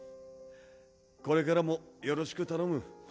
これからもよろしく頼む。